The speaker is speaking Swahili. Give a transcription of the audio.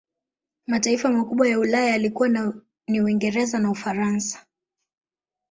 Mataifa makubwa ya Ulaya yalikuwa ni Uingereza na Ufaransa